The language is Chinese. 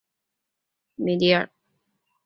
多年后萨鲁曼找到了第一块伊兰迪米尔。